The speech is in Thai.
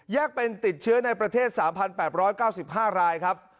เป็นติดเชื้อในประเทศ๓๘๙๕รายครับ